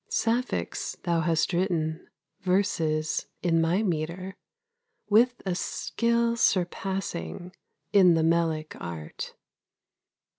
Sapphics thou hast written, Verses in my metre, With a skill surpassing In the melic art.